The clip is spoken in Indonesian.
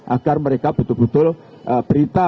agar mereka betul betul berita